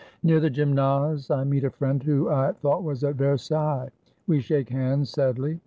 Near the Gymnase I meet a friend who I thought was at Versailles. We shake hands sadly.